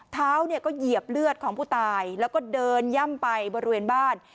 เท้าเนี่ยก็เหยียบเลือดของผู้ตายแล้วก็เดินย่ำไปบริเวณบ้าน